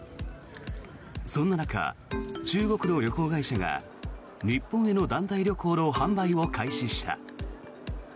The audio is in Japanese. そんな中、中国の旅行会社が日本への団体旅行の販売を開始した。